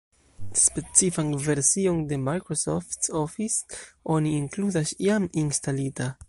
Specifan version de Microsoft Office oni inkludas jam instalita.